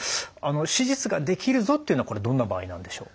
手術ができるぞっていうのはこれどんな場合なんでしょう？